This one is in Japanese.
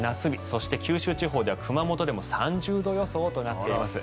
そして九州地方でも熊本でも３０度予想となっています。